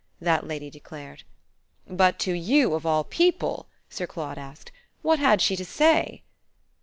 that lady declared. "But to you, of all people," Sir Claude asked, "what had she to say?"